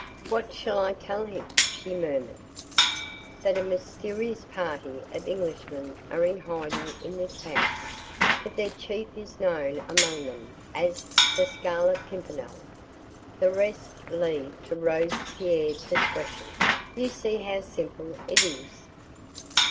"What shall I tell him?" she murmured. "That a mysterious party of Englishmen are in hiding in this house that their chief is known among them as the Scarlet Pimpernel. The rest leave to Robespierre's discretion. You see how simple it is?"